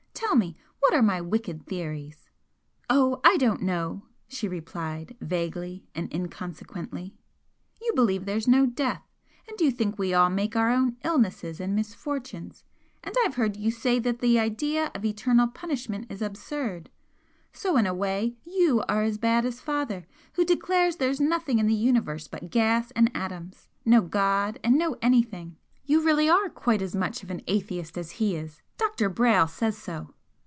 Tell me, what are my 'wicked theories'?" "Oh, I don't know!" she replied, vaguely and inconsequently "You believe there's no death and you think we all make our own illnesses and misfortunes, and I've heard you say that the idea of Eternal Punishment is absurd so in a way you are as bad as father, who declares there's nothing in the Universe but gas and atoms no God and no anything. You really are quite as much of an atheist as he is! Dr. Brayle says so."